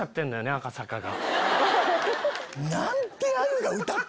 赤坂が。